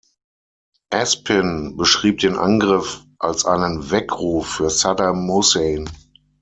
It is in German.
Aspin beschrieb den Angriff als einen „Weckruf“ für Saddam Hussein.